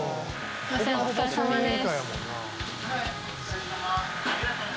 すいません、お疲れ様です。